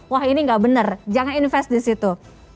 wah ini nggak benar jangan invest di situ